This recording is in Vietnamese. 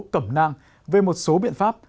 cẩm nang về một số biện pháp